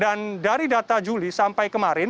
dan dari data juli sampai kemarin